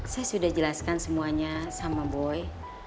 saya sudah jelaskan semuanya sama boy